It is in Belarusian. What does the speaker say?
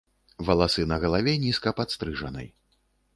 Валасы на галаве нізка падстрыжаны.